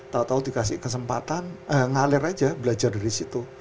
tau tau dikasih kesempatan ngalir aja belajar dari situ